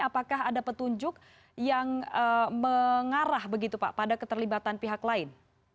apakah ada petunjuk yang mengarah begitu pak pada keterlibatan pihak lain